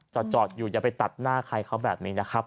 จอดอยู่อย่าไปตัดหน้าใครเขาแบบนี้นะครับ